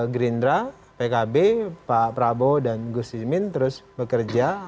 gerindra pkb pak prabowo dan gus imin terus bekerja